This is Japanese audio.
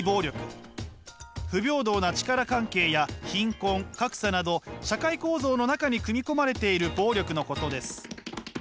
不平等な力関係や貧困・格差など社会構造の中に組み込まれている暴力のことです。